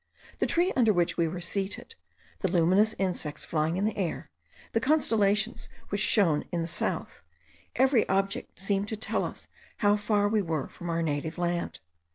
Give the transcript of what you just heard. The tree under which we were seated, the luminous insects flying in the air, the constellations which shone in the south; every object seemed to tell us how far we were from our native land.